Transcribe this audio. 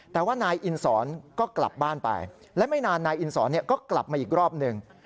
แต่ว่านายอินสอนก็กลับบ้านไปและไม่นานนายอินสอนก็กลับมาอีกรอบหนึ่ง